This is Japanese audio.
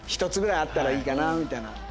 １つぐらいあったらいいかなみたいな。